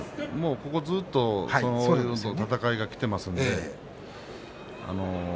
ここずっとその戦いがきていますね。